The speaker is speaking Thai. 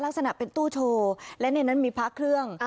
ลักษณะเป็นตู้โชว์และในนั้นมีพระเครื่อง